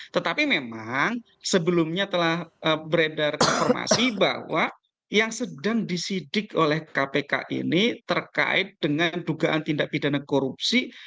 tetapi memang sebelumnya telah beredar informasi bahwa yang sedang disidik oleh kpk ini terkait dengan dugaan tindak pidana korupsi